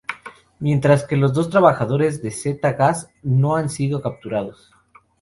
Mientras que los dos trabajadores de Zeta Gas no han sido capturados.